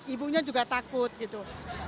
ibunya juga takut gitu